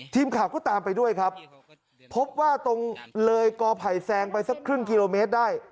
ทีมข่าวก็ตามไปด้วยครับพบว่าตรงเลยกอไผ่แซงไปสักครึ่งกิโลเมตรได้